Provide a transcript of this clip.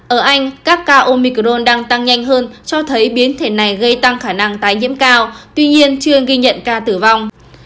ở anh các ca omicron đang tăng nhanh hơn cho thấy biến thể này gây tăng khả năng tái nhiễm cao tuy nhiên chưa ghi nhận ca tử vong